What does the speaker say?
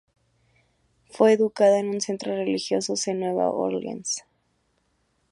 Fue educada en un centro religiosos en Nueva Orleans.